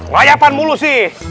layapan mulu sih